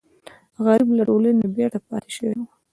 غریب له ټولنې نه بېرته پاتې شوی وي